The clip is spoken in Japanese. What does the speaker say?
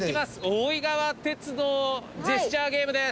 大井川鐵道ジェスチャーゲームです。